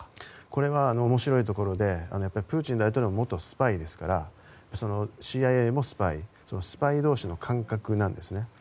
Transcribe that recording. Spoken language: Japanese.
これは面白いところでプーチン大統領も元スパイですからＣＩＡもスパイスパイ同士の感覚なんですね。